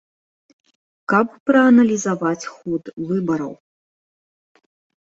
Каб прааналізаваць ход выбараў.